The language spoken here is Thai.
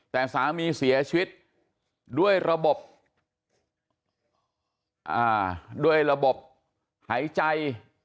แต่สามีเสียชีวิตด้วยระบบด้วยระบบหายใจ